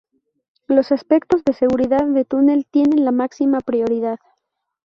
Los aspectos de seguridad del túnel tienen la máxima prioridad.